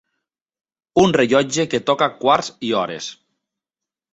Un rellotge que toca quarts i hores.